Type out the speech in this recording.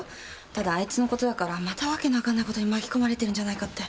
ただあいつのことだからまたわけのわかんないことに巻き込まれてるんじゃないかって。